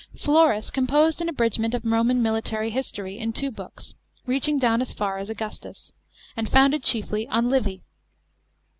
FLORUS composed an abridgment of Roman military history f in two books, reaching down as far as Augustus, and founded chiefly on Livy.